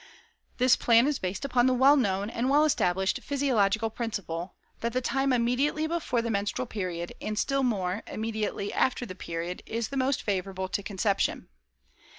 This plan is based upon the well known, and well established physiological principle that THE TIME IMMEDIATELY BEFORE THE MENSTRUAL PERIOD, AND STILL MORE, IMMEDIATELY AFTER THE PERIOD IS THE MOST FAVORABLE TO CONCEPTION.